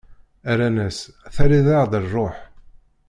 Rran-as: Terriḍ-aɣ-d ṛṛuḥ!